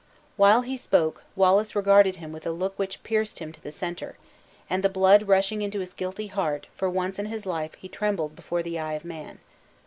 While he spoke, Wallace regarded him with a look which pierced him to the center; and the blood rushing into his guilty heart, for once in his life he trembled before the eye of man.